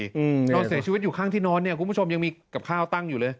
นอนเสียชีวิตอยู่ข้างที่นอนเนี่ยคุณผู้ชมยังมีกับข้าวตั้งอยู่เลย